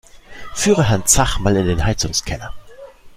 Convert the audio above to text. Führe Herrn Zach mal in den Heizungskeller!